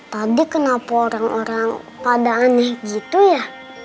pagi kenapa orang orang pada aneh gitu ya